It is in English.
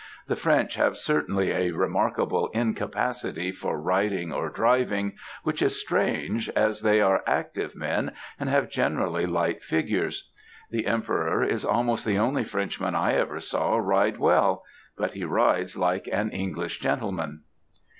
The French have certainly a remarkable incapacity for riding or driving, which is strange, as they are active men and have generally light figures. The Emperor is almost the only Frenchman I ever saw ride well; but he rides like an English gentleman.